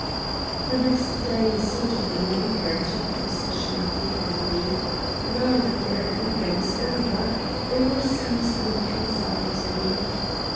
The next day a sort of languor took possession of the army. Now that their anger was over they were seized with anxiety.